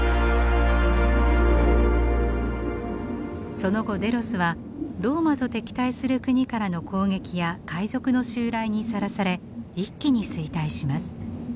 その後デロスはローマと敵対する国からの攻撃や海賊の襲来にさらされ一気に衰退します。